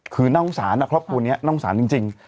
คือน่องสารอะครอบครูเนี่ยน่องสารจริง